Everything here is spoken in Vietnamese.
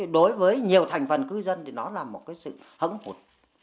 đối với nhiều thành phần cư dân thì nó là một sự hấn hụt